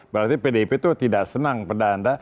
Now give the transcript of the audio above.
berarti pdip itu tidak senang pada anda